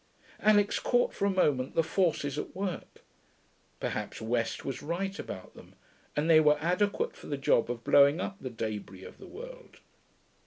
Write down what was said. Alix caught for a moment the forces at work; perhaps West was right about them, and they were adequate for the job of blowing up the debris of the world.